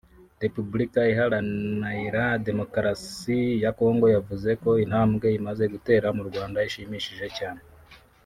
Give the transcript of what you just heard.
Repubulika Iharanaira Demokarasi ya Congo yavuze ko intambwe imaze guterwa n’u Rwanda ishimishije cyane